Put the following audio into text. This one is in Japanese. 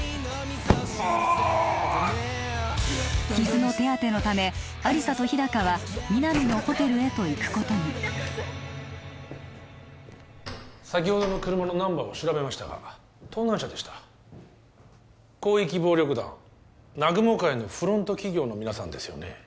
ああーっ傷の手当てのため亜理紗と日高は皆実のホテルへと行くことに先ほどの車のナンバーを調べましたが盗難車でした広域暴力団南雲会のフロント企業の皆さんですよね